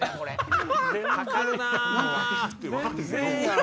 かかるな！